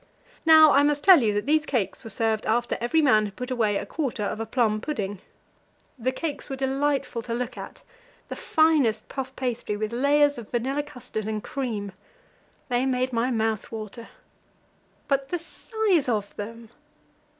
Now I must tell you that these cakes were served after every man had put away a quarter of a plum pudding. The cakes were delightful to look at the finest puff pastry, with layers of vanilla custard and cream. They made my mouth water. But the size of them!